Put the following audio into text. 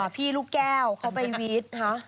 พี่ลูกแก้วเขาไปวีท